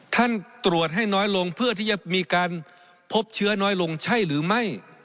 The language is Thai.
ตรวจให้น้อยลงเพื่อที่จะมีการพบเชื้อน้อยลงใช่หรือไม่